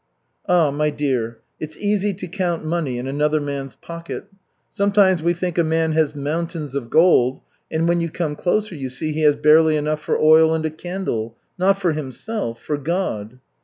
"Ah, my dear, it's easy to count money in another man's pocket. Sometimes we think a man has mountains of gold, and when you come closer you see he has barely enough for oil and a candle not for himself for God."